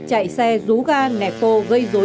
chạy xe rú ga nẹp tô gây dối